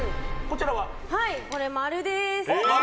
これ○です！